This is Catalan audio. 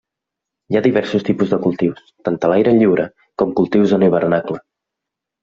Hi ha diversos tipus de cultius, tant a l'aire lliure com cultius en hivernacle.